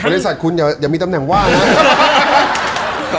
บริษัทคุณอย่ามีตำแหน่งว่างนะ